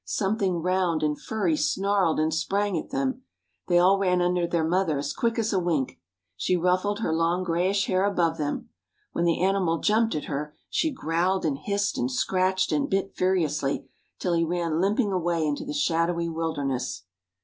Something round and furry snarled and sprang at them. They all ran under their mother as quick as a wink. She ruffled her long grayish hair above them. When the animal jumped at her she growled and hissed and scratched and bit furiously, till he ran limping away into the shadowy wilderness.